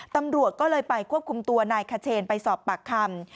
ตำรวจก็เลยไปควบคุมตัวนายขเชนไปสอบปากคำ